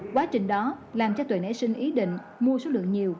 quá trình đó làm cho tuệ nễ sinh ý định mua số lượng nhiều